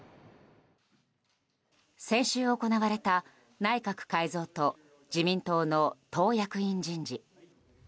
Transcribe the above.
先週行われた内閣改造と自民党の党役員人事。